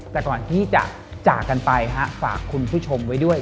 แต่ก่อนที่จะจากกันไปฝากคุณผู้ชมไว้ด้วย